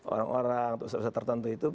orang orang atau usaha usaha tertentu itu